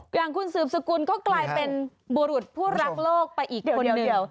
อย่างคุณสืบสกุลก็กลายเป็นบุรุษผู้รักโลกไปอีกคนเดียว